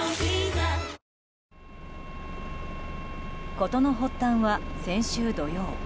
事の発端は、先週土曜。